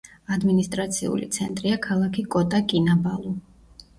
ადმინისტრაციული ცენტრია ქალაქი კოტა-კინაბალუ.